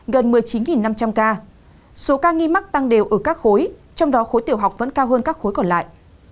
gần một mươi chín năm trăm linh ca số ca nghi mắc tăng đều ở các khối trong đó khối tiểu học vẫn cao hơn các khối còn lại